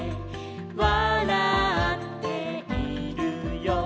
「わらっているよ」